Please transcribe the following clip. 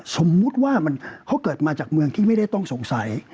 สมมุติว่าเขาเกิดมาจากเมืองที่ไม่ได้ต้องสงสัย